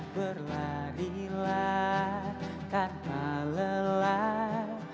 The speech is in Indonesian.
berlarilah tanpa lelah